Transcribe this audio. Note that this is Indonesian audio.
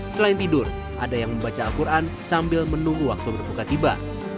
selain tidur ada yang membaca al quran sambil menunggu waktu berbuka tiba